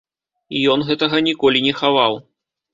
І ён гэтага ніколі не хаваў.